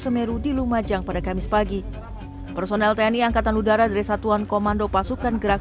semeru di lumajang pada kamis pagi personel tni angkatan udara dari satuan komando pasukan gerak